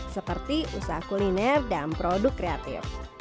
seperti usaha kuliner dan produk kreatif